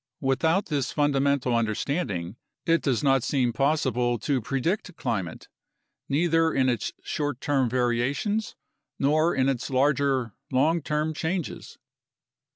Without this fundamental understanding, it does not VI UNDERSTANDING CLIMATIC CHANGE seem possible to predict climate — neither in its short term variations nor in its larger long term changes.